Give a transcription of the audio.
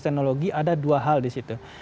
teknologi ada dua hal disitu